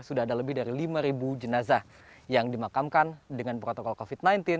sudah ada lebih dari lima jenazah yang dimakamkan dengan protokol covid sembilan belas